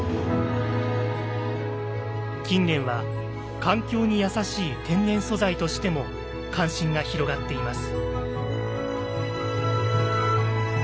近年は環境に優しい天然素材としても関心が広がっています。